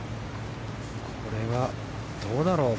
これはどうだろう。